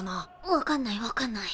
わかんないわかんない。